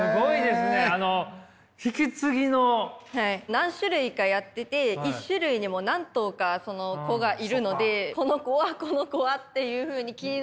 何種類かやってて１種類にも何頭か子がいるので「この子はこの子は」っていうふうに気になったことを全部。